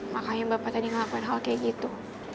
makanya bapak tadi ngelakuin hal kayak gitu